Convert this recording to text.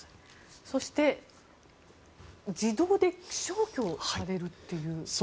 そして自動で消去されるという？